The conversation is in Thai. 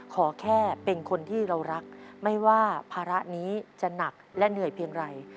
ขอแค่เป็นคนที่เรารักไม่ว่าภาระนี้จะหนักและเหนื่อยเพียงไร